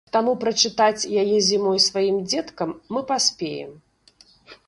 Таму прачытаць яе зімой сваім дзеткам мы паспеем.